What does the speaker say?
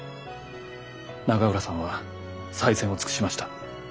永浦さんは最善を尽くしました。